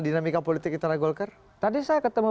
dinamika politik antara golkar tadi saya ketemu